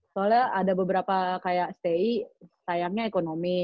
soalnya ada beberapa kayak stay sayangnya ekonomi